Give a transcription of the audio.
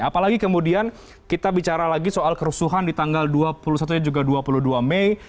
apalagi kemudian kita bicara lagi soal kerusuhan di tanggal dua puluh satu dan juga dua puluh dua mei